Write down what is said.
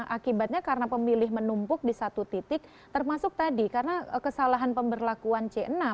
akibatnya karena pemilih menumpuk di satu titik termasuk tadi karena kesalahan pemberlakuan c enam